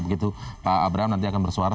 begitu pak abraham nanti akan bersuara